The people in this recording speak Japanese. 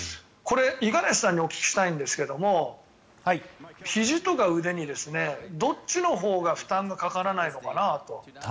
これは五十嵐さんにお聞きしたいんですがひじとか腕に、どっちのほうが負担がかからないのかなと。